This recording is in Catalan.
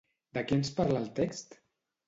De qui ens parla el text?